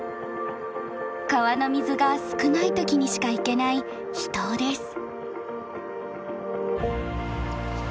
川の水が少ない時にしか行けない秘湯です。